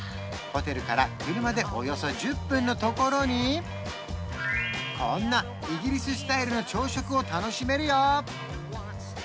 ホテルから車でおよそ１０分のところにこんなイギリススタイルの朝食を楽しめるよ